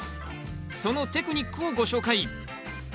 そのテクニックをご紹介。